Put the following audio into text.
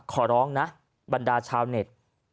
ขอร้องนะบรรดาชาวเน็ต